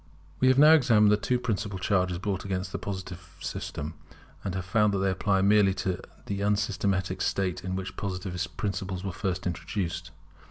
We have now examined the two principal charges brought against the Positive system, and we have found that they apply merely to the unsystematic state in which Positive principles are first introduced.